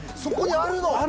そこにあるの？